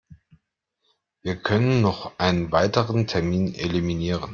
Wir können noch einen weiteren Term eliminieren.